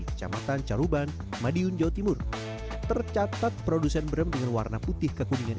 kecamatan caruban madiun jawa timur tercatat produsen brem dengan warna putih kekuningan